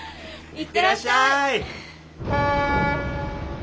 行ってらっしゃい！